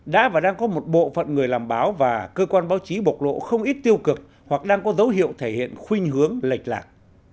đã và đang có một bộ phận người làm báo và cơ quan báo chí bộc lộ không ít tiêu cực hoặc đang có dấu hiệu thể hiện khuyên hướng lệch lạc